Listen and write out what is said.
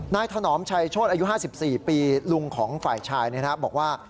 ถนอมชัยโชธอายุ๕๔ปีลุงของฝ่ายชายบอกว่า